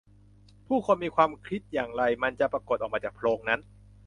ผู้คนมีความคิดอย่างไร มันจะปรากฎออกมาจากโพรงนั้น